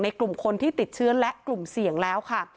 กลุ่มคนที่ติดเชื้อและกลุ่มเสี่ยงแล้วค่ะ